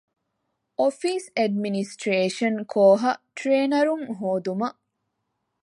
އޮފީސް އެޑްމިނިސްޓްރޭޝަން ކޯހަށް ޓްރޭނަރުން ހޯދުމަށް